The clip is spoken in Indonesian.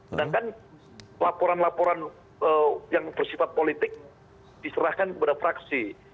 sedangkan laporan laporan yang bersifat politik diserahkan kepada fraksi